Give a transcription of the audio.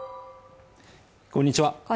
こんにちは